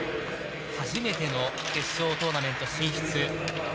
初めての決勝トーナメント進出。